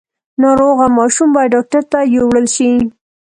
ناروغه ماشوم باید ډاکټر ته یووړل شي۔